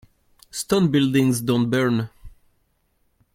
Stone buildings don't burn.